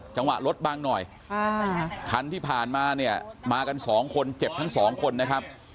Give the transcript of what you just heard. จังหวะรถบังหน่อยคันที่ผ่านมาเนี่ยมากันสองคนเจ็บทั้งสองคนนะครับ